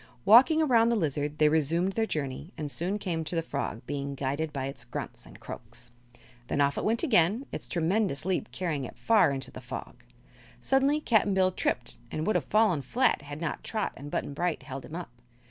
Walking around the lizard they resumed their journey and soon came to the frog, being guided by its grunts and croaks. Then off it went again, its tremendous leap carrying it far into the fog. Suddenly Cap'n Bill tripped and would have fallen flat had not Trot and Button Bright held him up.